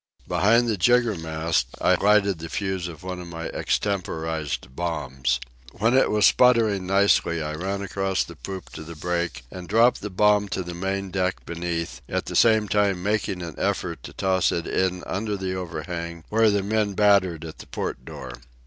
Behind the jiggermast I lighted the fuse of one of my extemporized bombs. When it was sputtering nicely I ran across the poop to the break and dropped the bomb to the main deck beneath, at the same time making an effort to toss it in under the overhang where the men battered at the port door.